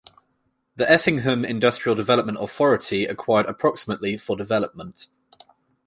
The Effingham Industrial Development Authority acquired approximately for development.